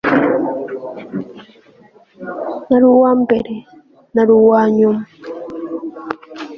nari uwambere? nari uwanyuma